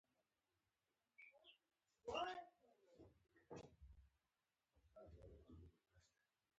زما افغانان خوښېږي